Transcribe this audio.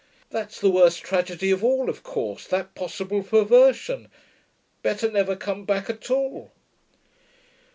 That's the worst tragedy of all, of course, that possible perversion. Better never come back at all.'